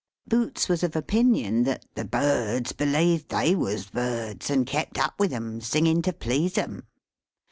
Boots was of opinion that the birds believed they was birds, and kept up with 'em, singing to please 'em.